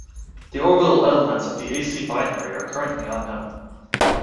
The orbital elements of the A-C binary are currently unknown.